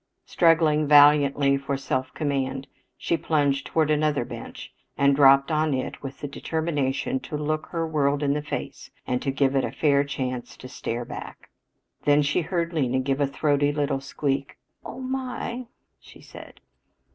Struggling valiantly for self command, she plunged toward another bench and dropped on it with the determination to look her world in the face and give it a fair chance to stare back. Then she heard Lena give a throaty little squeak. "Oh, my!" she said.